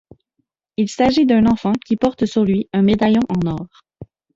Il s’agit d’un enfant, qui porte sur lui un médaillon en or.